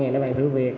ba mươi để bạn thử việc